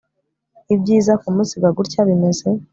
Ibyiza kumusiga gutya bimeze